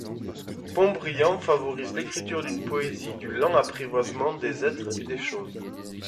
Pontbriand favorise l'écriture d'une poésie du lent apprivoisement des êtres et des choses.